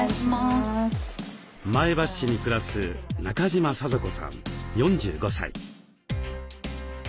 前橋市に暮らす中島聖子さん４５歳。